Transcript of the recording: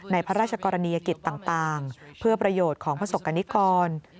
พระราชกรณียกิจต่างเพื่อประโยชน์ของประสบกรณิกร